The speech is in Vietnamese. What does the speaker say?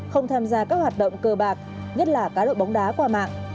không tham gia các hoạt động cờ bạc nhất là cá độ bóng đá qua mạng